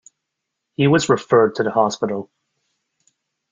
He was referred to the hospital.